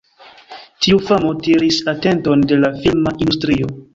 Tiu famo tiris atenton de la filma industrio.